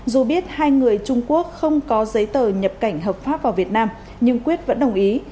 dù biết hai người trung quốc không có giấy tờ nhập cảnh hợp pháp vào việt nam nhưng quyết vẫn đồng ý